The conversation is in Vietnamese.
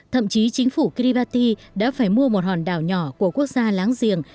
thậm chí chính phủ kiribati đã phải mua một hòn đảo nhỏ của quốc gia láng giềng